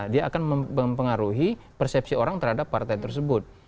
dia akan mempengaruhi persepsi orang terhadap partai tersebut